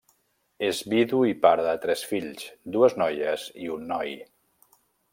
És vidu i pare de tres fills —dues noies i un noi—.